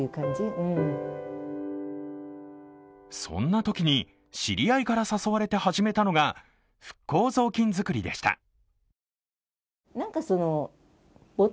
そんなときに知り合いから誘われて始めたのが復興ぞうきん作りでした。